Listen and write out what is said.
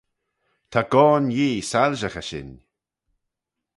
Ta goan Yee soilshaghey shin.